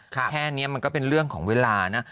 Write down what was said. แค่นี้มันก็เป็นเรื่องของเวลานะ